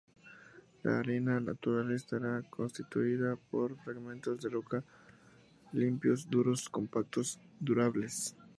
La arena natural estará constituida por fragmentos de roca limpios, duros, compactos, durables.